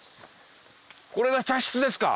これが茶室ですか？